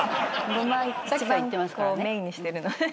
ごま一番メインにしてるので。